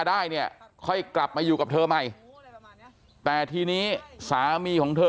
ได้เนี่ยค่อยกลับมาอยู่กับเธอใหม่แต่ทีนี้สามีของเธอ